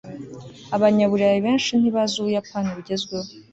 abanyaburayi benshi ntibazi ubuyapani bugezweho